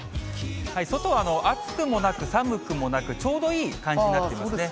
外は暑くもなく、寒くもなく、ちょうどいい感じになってますね。